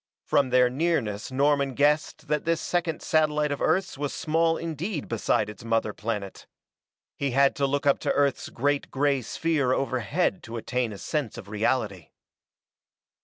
From their nearness Norman guessed that this second satellite of Earth's was small indeed beside its mother planet. He had to look up to earth's great gray sphere overhead to attain a sense of reality.